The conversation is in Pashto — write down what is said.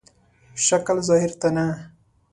شکل ظاهر ته نه.